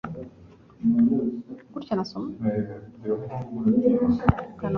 Nyamara umucunguzi yari yitaye ku mwigishwa we, ntiyita kuri icyo kigeragezo.